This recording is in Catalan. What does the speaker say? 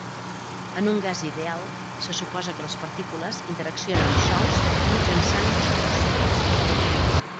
En un gas ideal se suposa que les partícules interaccionen sols mitjançant xocs.